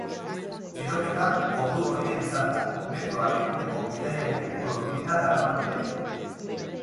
Tiroketa ordu gorian izan da, metroak eguneko bidaiari kopuru handiena daraman unean.